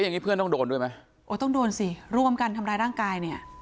อย่างงีเพื่อนต้องโดนด้วยไหมโอ้ต้องโดนสิร่วมกันทำร้ายร่างกายเนี่ย